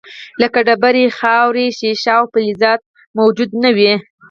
لکه ډبرې، خاورې، شیشه او فلزات موجود نه وي.